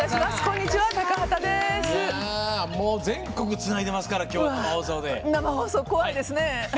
もう全国つないでますから今日の放送で。生放送、怖いですね！